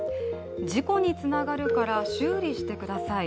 事故につながるから修理してください。